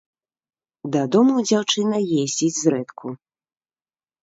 Дадому дзяўчына ездзіць зрэдку.